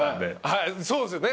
はいそうですよね。